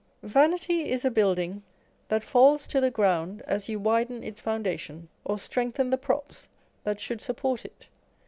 Vanity is a building that falls to the ground as you widen its foun dation, or strengthen the props that should support it.